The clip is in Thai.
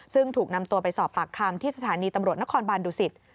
ซึ่งถูกนำตัวไปสอบปากคำที่สถานีตำรวจนครบานดุสิต